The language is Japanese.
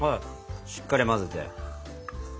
しっかり混ぜて。